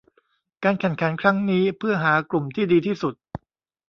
การแข่งขันครั้งนี้เพื่อหากลุ่มที่ดีที่สุด